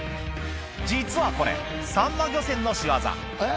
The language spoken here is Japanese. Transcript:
実はこれサンマ漁船の仕業えっ？